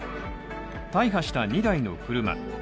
大破した２台の車。